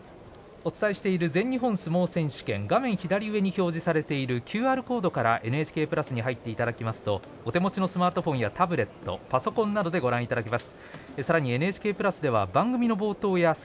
お伝えしている全日本相撲選手権、画面左上に表示されているＱＲコードからＮＨＫプラスに入っていただくとお手持ちのスマートフォンやタブレットパソコンなどでご覧いただけます。